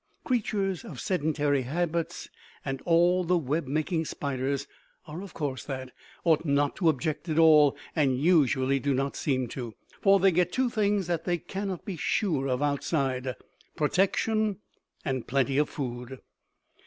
Creatures of sedentary habits, and all the web making spiders are of course that, ought not to object at all and usually do not seem to. For they get two things that they cannot be sure of outside: protection and plenty of food.